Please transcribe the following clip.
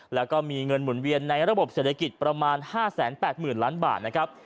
แล้วก็มีเงินหมุนเวียนในระบบเศรษฐกิจประมาณ๕๘๐๐๐ล้านบาทนะครับ